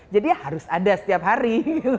jadi ya harus ada setiap hari